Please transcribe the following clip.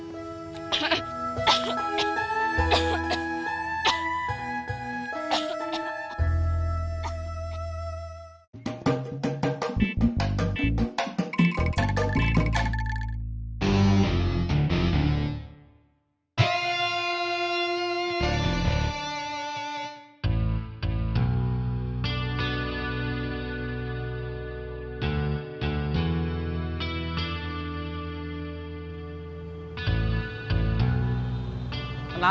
beraninya udah ga butuh alkohol atau air